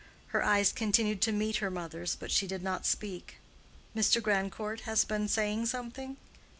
Her eyes continued to meet her mother's, but she did not speak. "Mr. Grandcourt has been saying something?